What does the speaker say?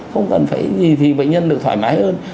không cần phải gì thì bệnh nhân được thoải mái hơn